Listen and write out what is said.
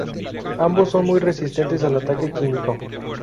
Ambos son muy resistentes al ataque químico.